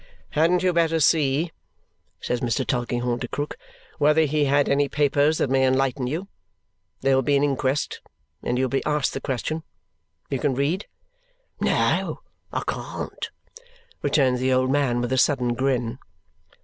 "Hadn't you better see," says Mr. Tulkinghorn to Krook, "whether he had any papers that may enlighten you? There will be an inquest, and you will be asked the question. You can read?" "No, I can't," returns the old man with a sudden grin.